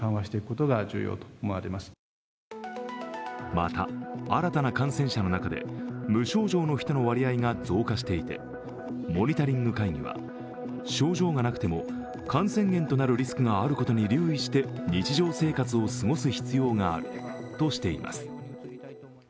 また、新たな感染者の中で無症状の人の割合が増加していてモニタリング会議は症状がなくても、感染源となるリスクがあることに留意して日常生活を過ごす必要があるとしています。